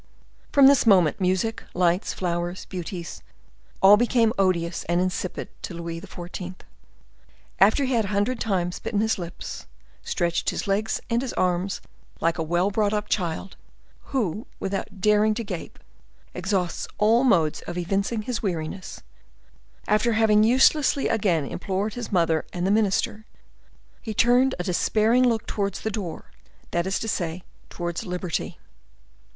From this moment, music, lights, flowers, beauties, all became odious and insipid to Louis XIV. After he had a hundred times bitten his lips, stretched his legs and his arms like a well brought up child, who, without daring to gape, exhausts all the modes of evincing his weariness—after having uselessly again implored his mother and the minister, he turned a despairing look towards the door, that is to say, towards liberty.